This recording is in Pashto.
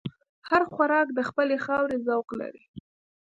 هر خوراک د خپلې خاورې ذوق لري.